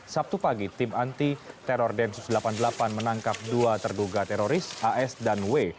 sabtu pagi tim anti teror densus delapan puluh delapan menangkap dua terduga teroris as dan w